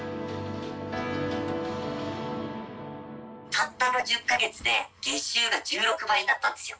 たったの１０か月で月収が１６倍になったんですよ。